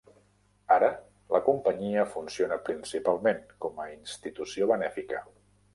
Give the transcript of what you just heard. Ara la companyia funciona principalment com a institució benèfica.